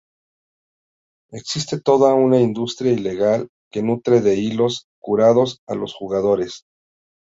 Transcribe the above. Existe toda una industria ilegal que nutre de hilos "curados" a los jugadores.